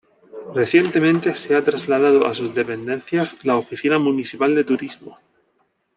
Recientemente se ha trasladado a sus dependencias la Oficina Municipal de Turismo.